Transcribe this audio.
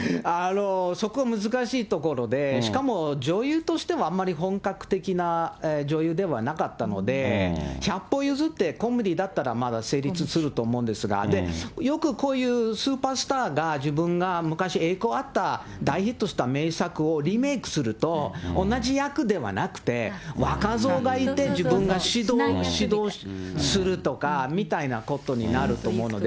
そこが難しいところで、しかも女優としてはあんまり本格的な女優ではなかったので、百歩譲ってコメディだったらまだ成立すると思うんですが、よくこういうスーパースターが、自分が昔栄光あった大ヒットした名作をリメークすると、同じ役ではなくて、若造がいて、自分が指導するとかみたいなことになると思うので。